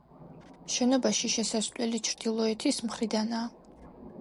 შენობაში შესასვლელი ჩრდილოეთის მხრიდანაა.